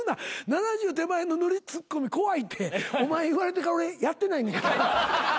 ７０手前のノリツッコミ怖いってお前に言われてから俺やってないねん。